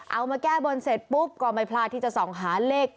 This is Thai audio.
เอามาแก้บนเสร็จปุ๊บก็ไม่พลาดที่จะส่องหาเลข